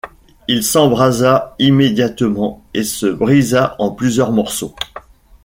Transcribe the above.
Il s'embrasa immédiatement et se brisa en plusieurs morceaux.